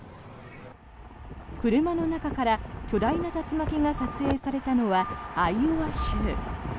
車の中から巨大な竜巻が撮影されたのはアイオワ州。